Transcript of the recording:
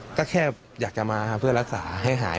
ใช่ครับมันก็แค่อยากจะมาเพื่อรักษาให้หาย